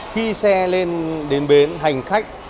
khi xe lên đến bến hành khách